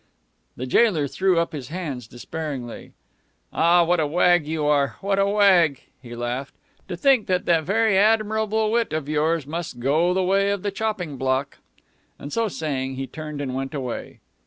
The jailer threw up his hands despairingly. "Ah, what a wag you are, what a wag," he laughed. "To think that that very admirable wit of yours must go the way of the chopping block!" And so saying, he turned and went away.